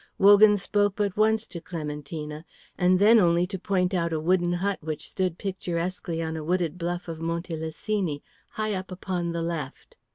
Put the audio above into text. Wogan spoke but once to Clementina, and then only to point out a wooden hut which stood picturesquely on a wooded bluff of Monte Lessini, high up upon the left.